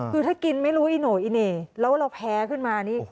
คือถ้ากินไม่รู้อีโน่อีเหน่แล้วเราแพ้ขึ้นมานี่